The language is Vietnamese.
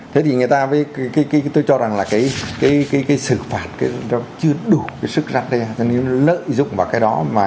thế thì người ta với cái tôi cho rằng là cái sử dụng này